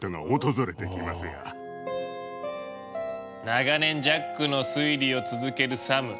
長年ジャックの推理を続けるサム。